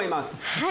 はい。